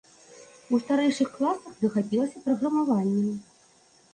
У старэйшых класах захапілася праграмаваннем.